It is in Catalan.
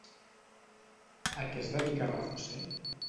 A què es dedicava José?